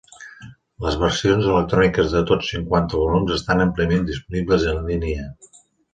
Les versions electròniques de tots cinquanta volums estan àmpliament disponibles en línia.